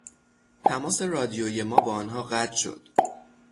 تماس رادیویی ما با آنها قطع شد.